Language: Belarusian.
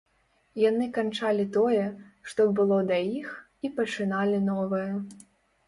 Яны канчалі тое, што было да іх, і пачыналі новае.